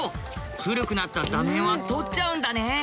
古くなった座面は取っちゃうんだね。